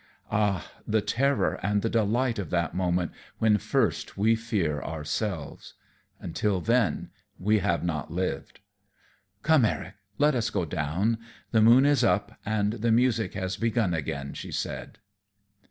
Ah! the terror and the delight of that moment when first we fear ourselves! Until then we have not lived. "Come, Eric, let us go down; the moon is up and the music has begun again," she said.